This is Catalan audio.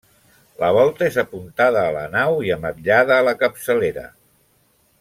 La volta és apuntada a la nau i ametllada a la capçalera.